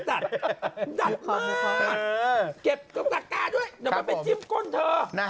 ดัดมากเก็บตากาด้วยเดี๋ยวมาเป็นจิ้มก้นเถอะ